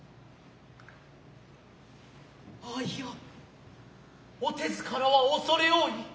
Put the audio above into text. いやお手づからは恐多い。